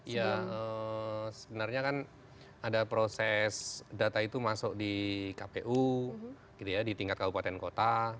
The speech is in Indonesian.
ya sebenarnya kan ada proses data itu masuk di kpu gitu ya di tingkat kabupaten kota